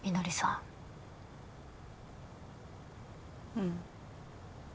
うん。